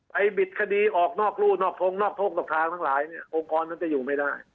บิดคดีออกนอกรู่นอกทงนอกทกนอกทางทั้งหลายเนี่ยองค์กรนั้นจะอยู่ไม่ได้